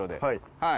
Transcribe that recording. はい。